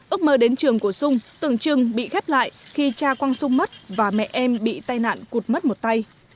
ước mơ đến trường của sung tưởng chừng bị khép lại khi cha quang sung mất và mẹ em bị tai nạn cụt mất một tay